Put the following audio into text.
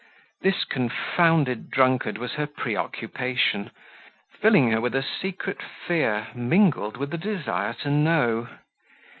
This confounded drunkard was her preoccupation, filling her with a secret fear mingled with a desire to know.